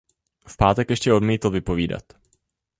V pátek ještě odmítl vypovídat.